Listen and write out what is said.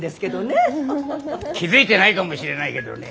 気付いてないかもしれないけどね